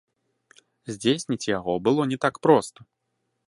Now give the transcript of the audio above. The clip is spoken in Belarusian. Здзейсніць яго было не так проста.